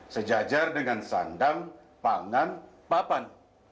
sejajar dengan sandang pangan papan